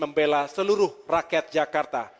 membela seluruh rakyat jakarta